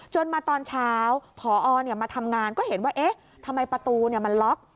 มาตอนเช้าพอมาทำงานก็เห็นว่าเอ๊ะทำไมประตูมันล็อก